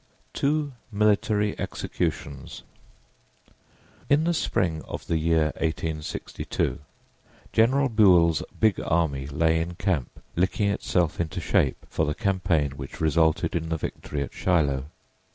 TWO MILITARY EXECUTIONS IN the spring of the year 1862 General Buell's big army lay in camp, licking itself into shape for the campaign which resulted in the victory at Shiloh.